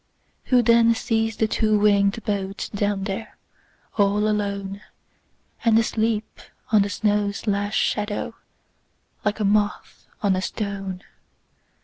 Who then sees the two wingedBoat down there, all aloneAnd asleep on the snow's last shadow, Like a moth on a stone?